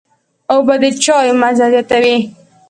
اوبه د چايو مزه زیاتوي.